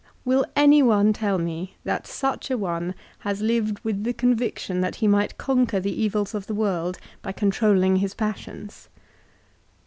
Will any one tell me that such a one has lived with the conviction that he might conquer the evils of the world by controlling his passions